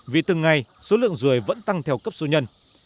vì từng ngày số lượng ruồi vẫn tăng theo cấp số nhân